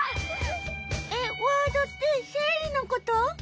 えっワードってせいりのこと？